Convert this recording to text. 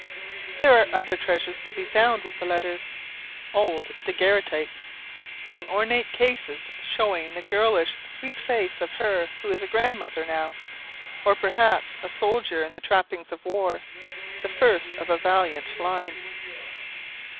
There are other treasures to be found with the letters old daguerreotypes, in ornate cases, showing the girlish, sweet face of her who is a grandmother now, or perhaps a soldier in the trappings of war, the first of a valiant line.